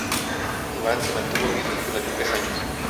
Iván se mantuvo viudo durante tres años.